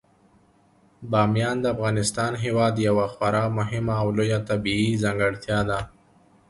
بامیان د افغانستان هیواد یوه خورا مهمه او لویه طبیعي ځانګړتیا ده.